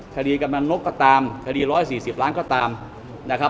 กำนันนกก็ตามคดี๑๔๐ล้านก็ตามนะครับ